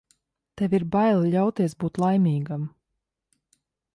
Tev ir bail ļauties būt laimīgam.